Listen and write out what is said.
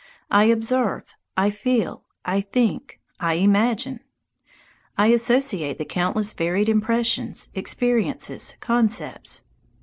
I observe, I feel, I think, I imagine. I associate the countless varied impressions, experiences, concepts.